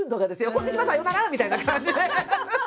「こんにちは」「さようなら」みたいな感じで。